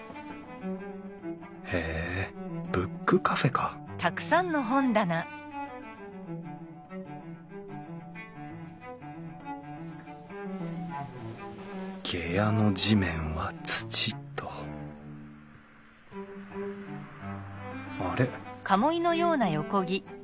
へえブックカフェか下屋の地面は土とあれ？